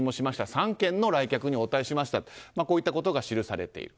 ３件の来客に応対しましたとこういったことが記されている。